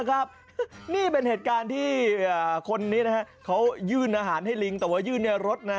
แกล้งฉันเหรอ